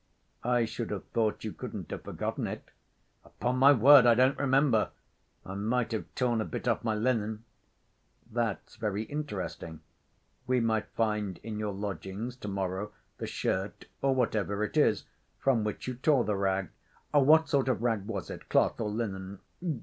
"I should have thought you couldn't have forgotten it?" "Upon my word, I don't remember. I might have torn a bit off my linen." "That's very interesting. We might find in your lodgings to‐morrow the shirt or whatever it is from which you tore the rag. What sort of rag was it, cloth or linen?"